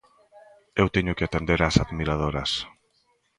Eu teño que atender ás admiradoras.